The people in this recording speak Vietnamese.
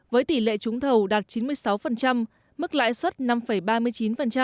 với tỷ lệ trúng thầu đạt chín mươi sáu mức lãi suất năm ba mươi chín